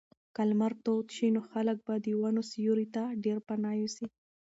که لمر تود شي نو خلک به د ونو سیوري ته ډېر پناه یوسي.